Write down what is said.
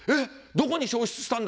どこに消失したんだ？